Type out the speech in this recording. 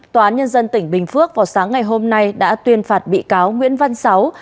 tòa án nhân dân tỉnh bình phước vào sáng ngày hôm nay đã tuyên phạt bị cáo nguyễn văn sáu